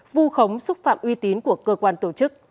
vu khống xúc phạm uy tín của cơ quan tổ chức